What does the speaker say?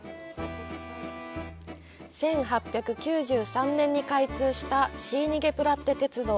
１８９３年に開通したシーニゲプラッテ鉄道。